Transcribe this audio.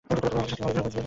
তুমি আমার শাস্তি কমাবে?